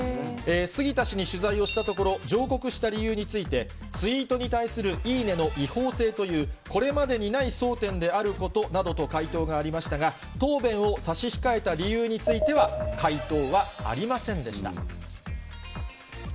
杉田氏に取材をしたところ、上告した理由について、ツイートに対するいいねの違法性という、これまでにない争点であることなどと回答がありましたが、答弁を差し控えた理由については、回答はありませんでした。